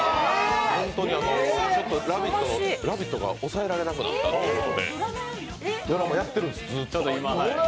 本当に「ラヴィット！」が抑えられなくなって、ドラマやってるんです、ずっと。